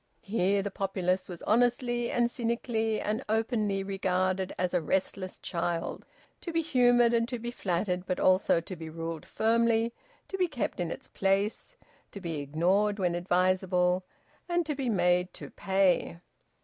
Here the populace was honestly and cynically and openly regarded as a restless child, to be humoured and to be flattered, but also to be ruled firmly, to be kept in its place, to be ignored when advisable, and to be made to pay.